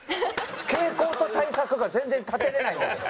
傾向と対策が全然立てられないんだけど。